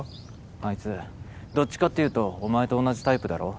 あいつどっちかっていうとお前と同じタイプだろ？